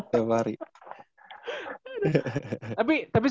tapi sekarang udah mulai